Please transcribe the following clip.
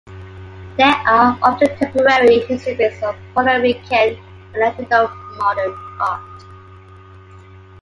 There are often temporary exhibits on Puerto Rican and Latino modern art.